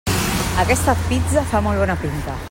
Aquesta pizza fa molt bona pinta.